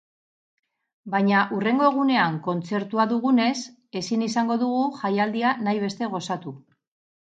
Baina hurrengo egunean kontzertua dugunez, ezin izango dugu jaialdia nahi beste gozatu.